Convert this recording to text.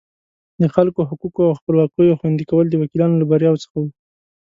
د خلکو حقوقو او خپلواکیو خوندي کول د وکیلانو له بریاوو څخه وو.